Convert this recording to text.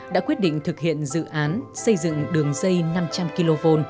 đã quyết định thực hiện dự án xây dựng đường dây năm trăm linh kv